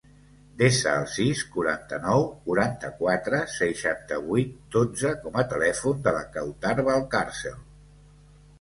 Desa el sis, quaranta-nou, quaranta-quatre, seixanta-vuit, dotze com a telèfon de la Kawtar Valcarcel.